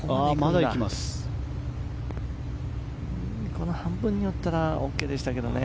この半分に寄ったらＯＫでしたけどね。